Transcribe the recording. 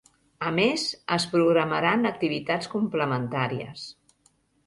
A més, es programaran activitats complementàries.